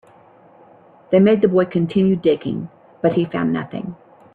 They made the boy continue digging, but he found nothing.